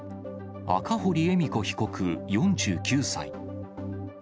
赤堀恵美子被告４９歳。